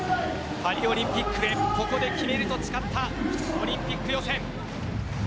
パリオリンピックへここで決めると誓ったオリンピック予選。